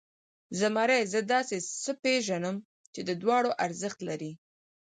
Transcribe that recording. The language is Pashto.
زمري، زه داسې څه پېژنم چې د دواړو ارزښت لري.